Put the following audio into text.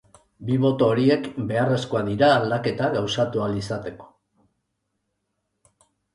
Bi boto horiek beharrezkoak dira aldaketa gauzatu ahal izateko.